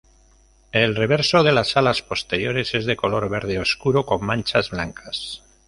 El reverso de las alas posteriores es de color verde oscuro con manchas blancas.